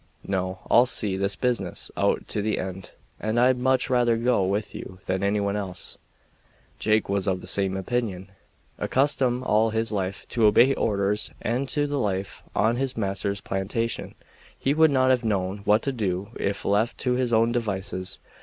No, I'll see this business out to the end, and I'd much rather go with you than anyone else." Jake was of the same opinion. Accustomed all his life to obey orders and to the life on his master's plantation, he would not have known what to do if left to his own devices.